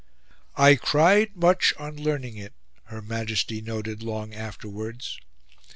"I cried much on learning it," her Majesty noted long afterwards.